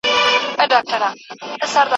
هر یو زوی به دي له ورور سره دښمن وي